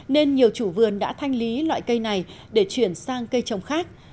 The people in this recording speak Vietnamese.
nên nhiều chủ vườn đã thanh lý loại cây này để chuyển sang cây trồng khác